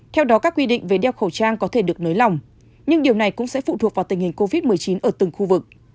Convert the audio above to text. theo đó các quy định về đeo khẩu trang có thể được nới lỏng nhưng điều này cũng sẽ phụ thuộc vào tình hình covid một mươi chín ở từng khu vực